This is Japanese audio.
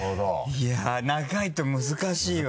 いや長いと難しいわ。